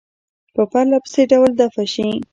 په پرله پسې ډول دفع شي.